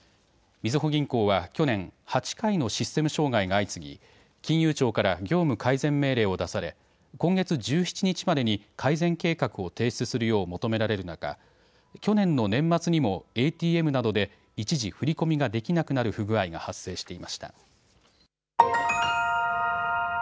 みずほ銀行は去年、８回のシステム障害が相次ぎ金融庁から業務改善命令を出され今月１７日までに改善計画を提出するよう求められる中、去年の年末にもＡＴＭなどで一時、振り込みができなくなる不具合が発生していました。